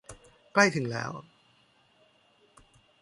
ใกล้ถึงแล้ว